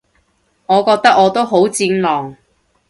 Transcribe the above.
我覺得我都好戰狼